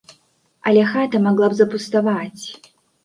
Але хата магла б запуставаць.